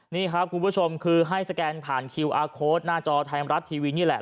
นี่ครับคุณผู้ชมคือให้สแกนผ่านคิวอาร์โค้ดหน้าจอไทยรัฐทีวีนี่แหละ